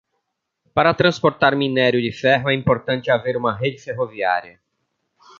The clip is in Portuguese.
Para transportar mínério de ferro é importante haver uma rede ferroviária